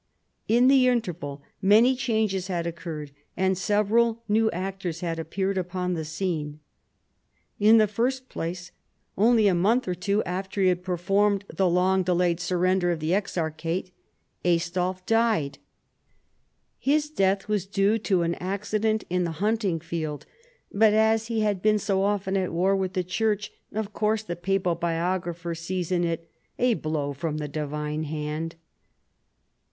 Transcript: In the interval many changes had occur red, and several new actors had appeared upon the scene. In the first place, only a month or two after he had * See p. 104. 8 1 14 CHARLEMAGNE. performed the long delayed surrender of the exar chate, Aistulf died. Ilis death was due to an accident in the hunting field, but as he had been so often at war with the Church, of course the papal biographer sees in it " a blow from the Divine hand."